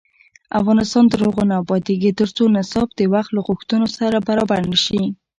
افغانستان تر هغو نه ابادیږي، ترڅو نصاب د وخت له غوښتنو سره برابر نشي.